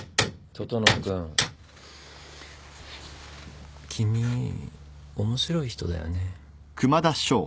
整君君面白い人だよね。